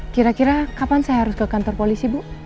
kira kira kapan saya harus ke kantor polisi bu